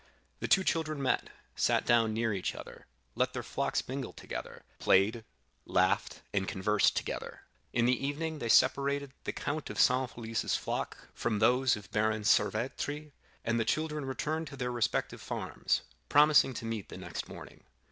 The two children met, sat down near each other, let their flocks mingle together, played, laughed, and conversed together; in the evening they separated the Count of San Felice's flock from those of Baron Cervetri, and the children returned to their respective farms, promising to meet the next morning.